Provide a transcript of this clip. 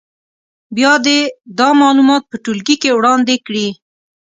بیا دې دا معلومات په ټولګي کې وړاندې کړي.